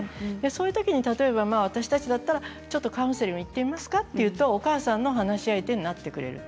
そういう時に例えば私たちだったらカウンセリングに行ってみますかと言うとお母さんの話し相手になってくれます。